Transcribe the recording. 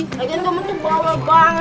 lagi temen temen tuh bawel banget sih